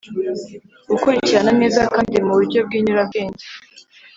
gukurikirana neza kandi mu buryo bw’inyurabwenge.